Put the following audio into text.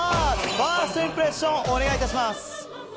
ファーストインプレッションお願いいたします。